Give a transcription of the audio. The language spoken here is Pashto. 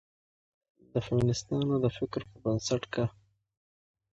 د فيمنستانو د فکر پر بنسټ، که